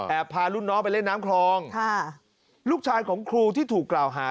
พารุ่นน้องไปเล่นน้ำคลองค่ะลูกชายของครูที่ถูกกล่าวหา